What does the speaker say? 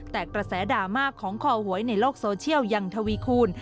แต่กระแสดราม่าของคอหวยในโลกโซเชียลยังทวีคูณ